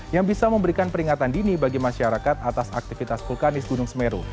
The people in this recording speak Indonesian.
yang bisa memberikan peringatan dini bagi masyarakat atas aktivitas vulkanis gunung semeru